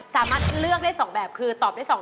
คุณเรียก๒แบบคือตอบ๒หัวเลยนะ